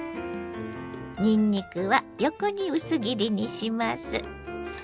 にんにくは横に薄切りにします。